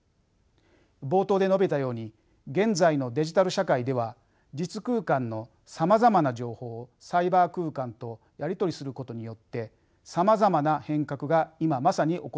冒頭で述べたように現在のデジタル社会では実空間のさまざまな情報をサイバー空間とやり取りすることによってさまざまな変革が今まさに起こっています。